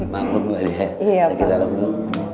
maklum pak saya ke dalam dulu